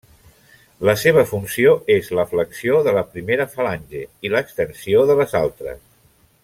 La seva funció és la flexió de la primera falange i l'extensió de les altres.